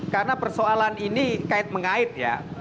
karena persoalan ini kait mengait ya